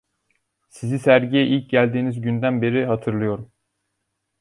Sizi sergiye ilk geldiğiniz günden beri hatırlıyorum.